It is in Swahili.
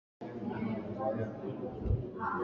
vijana hao walikuwa wanashiriki katika mapenzi ya jinsia moja